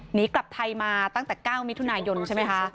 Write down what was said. หนีกลับไทยมาตั้งแต่๙มิถุนายนใช่ไหมคะ